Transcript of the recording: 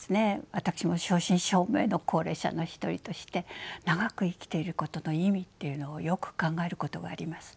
私も正真正銘の高齢者の一人として長く生きていることの意味っていうのをよく考えることがあります。